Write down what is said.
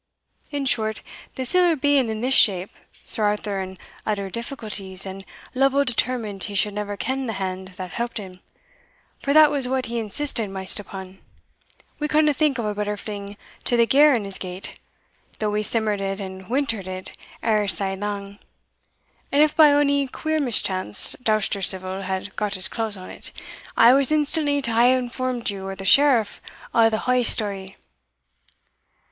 In short, the siller being in this shape, Sir Arthur in utter difficulties, and Lovel determined he should never ken the hand that helped him, for that was what he insisted maist upon, we couldna think o' a better way to fling the gear in his gate, though we simmered it and wintered it e'er sae lang. And if by ony queer mischance Doustercivil had got his claws on't, I was instantly to hae informed you or the Sheriff o' the haill story."